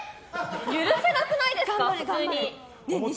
許せなくないですか？